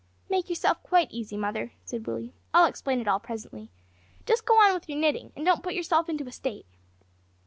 "Make yourself quite easy, mother," said Willie; "I'll explain it all presently. Just go on with your knitting, and don't put yourself into a state."